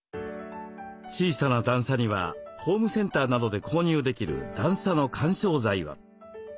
小さな段差にはホームセンターなどで購入できる段差の緩衝材を。